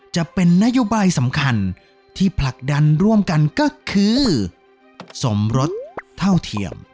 จะเป็นนโยบายสำคัญที่ผลักดันร่วมกันก็คือสมรสเท่าเทียม